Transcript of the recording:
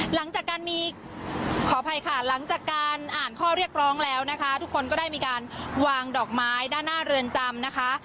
หลังจากการมีขออภัยค่ะหลังจากการอ่านข้อเรียกร้องแล้วนะคะทุกคนก็ได้มีการวางดอกไม้ด้านหน้าเรือนจำนะคะ